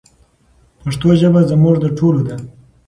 پښتو ژبه زموږ د ټولو ده.